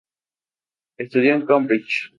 Estudió en Cambridge.